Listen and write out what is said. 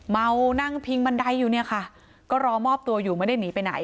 เมานั่งพิงบันไดอยู่เนี่ยค่ะก็รอมอบตัวอยู่ไม่ได้หนีไปไหน